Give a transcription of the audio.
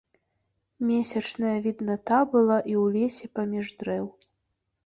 Месячная відната была і ў лесе паміж дрэў.